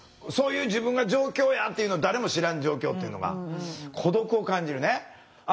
そういう自分が状況やっていうの誰も知らん状況っていうのが孤独を感じるね。